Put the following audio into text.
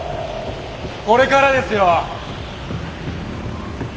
これからですよッ！